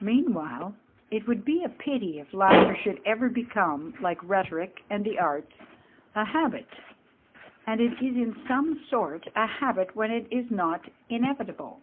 Meanwhile, it would be a pity if laughter should ever become, like rhetoric and the arts, a habit. And it is in some sort a habit when it is not inevitable.